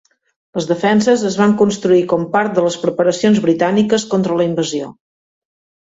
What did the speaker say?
Les defenses es van construir com part de les preparacions britàniques contra la invasió.